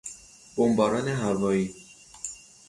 بمباران هوایی